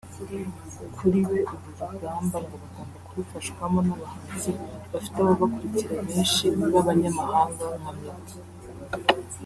Kuri we uru rugamba ngo bagomba kurufashwamo n’abahanzi bafite ababakurikira benshi b’Abanyamahanga nka Meddy